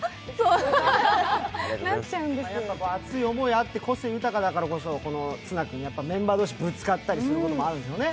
やっぱ熱い思いあっな個性豊かだからこそメンバー同士ぶつかったりすることもあるんですよね。